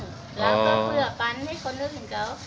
อ๋อเพื่อปัญห์ให้คนอื่นเขา